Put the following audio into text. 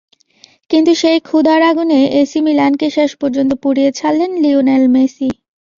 কিন্তু সেই ক্ষুধার আগুনে এসি মিলানকে শেষ পর্যন্ত পুড়িয়ে ছাড়লেন লিওনেল মেসি।